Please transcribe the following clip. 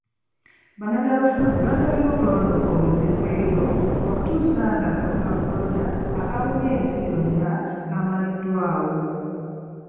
Bannabyabufuzi basaba okulonda kwongezebweyo okutuusa nga akawuka ka kolona akabunye ensi yonna kamaliddwawo.